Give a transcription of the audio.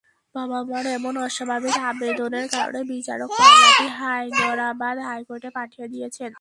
বাবা-মার এমন অস্বাভাবিক আবেদনের কারণে বিচারক মামলাটি হায়দরাবাদ হাইকোর্টে পাঠিয়ে দিয়েছেন।